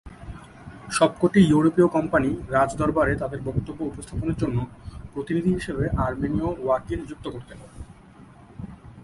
সবকটি ইউরোপীয় কোম্পানি রাজদরবারে তাদের বক্তব্য উপস্থাপনের জন্য প্রতিনিধি হিসেবে আর্মেনীয় ‘ওয়াকিল’ নিযুক্ত করতেন।